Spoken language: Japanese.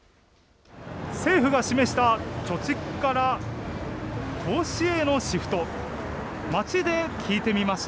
政府が示した貯蓄から投資へのシフト。